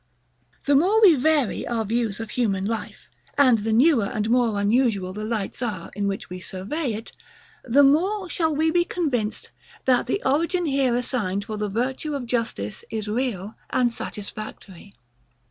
The more we vary our views of human life, and the newer and more unusual the lights are in which we survey it, the more shall we be convinced, that the origin here assigned for the virtue of justice is real and satisfactory.